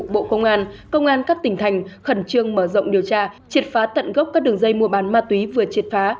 bộ công an công an các tỉnh thành khẩn trương mở rộng điều tra triệt phá tận gốc các đường dây mua bán ma túy vừa triệt phá